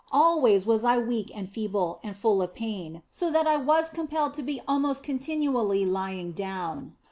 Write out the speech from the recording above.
Always was I weak and feeble, and full of pain, so that I was compelled to be almost continually lying down.